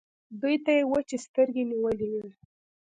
دوی ته يې وچې سترګې نيولې وې.